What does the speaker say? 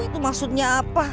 itu maksudnya apa